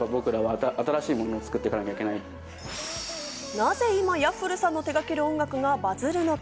なぜ今、Ｙａｆｆｌｅさんの手がける音楽がバズるのか？